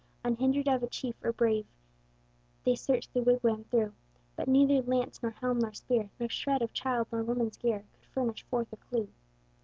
Unhindered of a chief or brave, They searched the wigwam through; But neither lance nor helm nor spear, Nor shred of child's nor woman's gear, Could furnish forth a clue.